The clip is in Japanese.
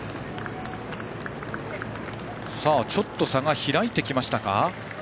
ちょっと差が開いてきましたか。